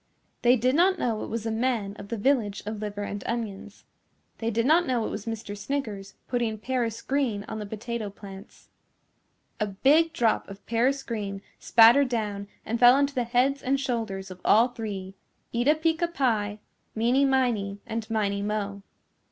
They did not know it was a man of the Village of Liver and Onions. They did not know it was Mr. Sniggers putting paris green on the potato plants. A big drop of paris green spattered down and fell onto the heads and shoulders of all three, Eeta Peeca Pie, Meeny Miney and Miney Mo.